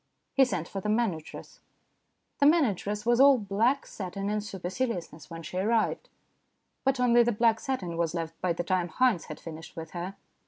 He sent for the manageress. The manageress was all black satin and super ciliousness when she arrived, but only the black satin was left by the time Haynes had finished with her.